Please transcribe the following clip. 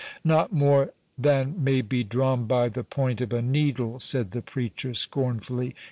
"Not more than may be drawn by the point of a needle," said the preacher, scornfully.